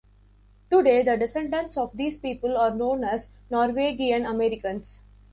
Today, the descendants of these people are known as Norwegian Americans.